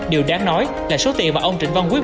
điều đáng nói là số tiền mà ông trịnh văn quyết